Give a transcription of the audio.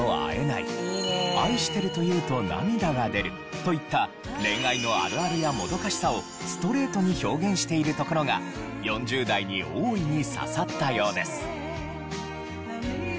といった恋愛のあるあるやもどかしさをストレートに表現しているところが４０代に大いに刺さったようです。